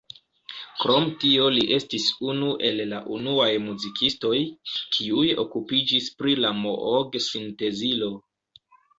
Krom tio li estis unu el la unuaj muzikistoj, kiuj okupiĝis pri la Moog-sintezilo.